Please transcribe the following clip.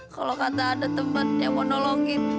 kalau kata ada teman yang mau nolongin